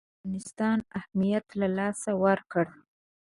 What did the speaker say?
افغانستان اهمیت له لاسه ورکړ.